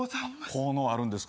効能あるんですか。